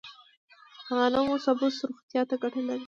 د غنمو سبوس روغتیا ته ګټه لري.